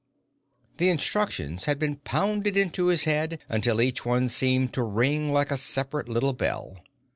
_ The instructions had been pounded into his head until each one seemed to ring like a separate little bell.